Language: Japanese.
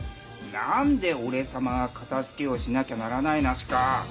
なんでおれさまがかたづけをしなきゃならないナシか！？